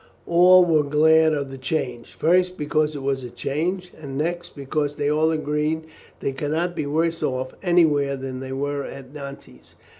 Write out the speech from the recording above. All were glad of the change, first, because it was a change, and next, because they all agreed they could not be worse off anywhere than they were at Nantes.